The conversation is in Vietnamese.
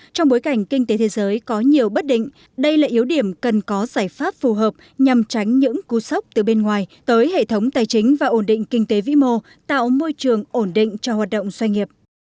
trong bối cảnh kinh tế thế giới có nhiều bất định đây là yếu điểm cần có giải pháp phù hợp nhằm tránh những cú sốc từ bên ngoài tới hệ thống tài chính và ổn định kinh tế vĩ mô tạo môi trường ổn định cho hoạt động doanh nghiệp